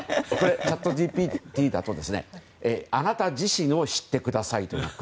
チャットＧＰＴだとあなた自身を知ってくださいという。